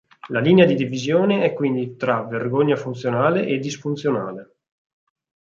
La linea di divisione è quindi tra vergogna funzionale e disfunzionale.